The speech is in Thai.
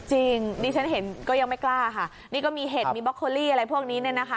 จริงดิฉันเห็นก็ยังไม่กล้าค่ะนี่ก็มีเห็ดมีบล็กโคลี่อะไรพวกนี้เนี่ยนะคะ